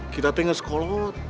kita tinggal sekolot